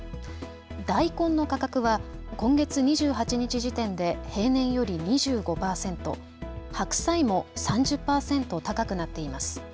大根の価格は今月２８日時点で平年より２５％、白菜も３０％高くなっています。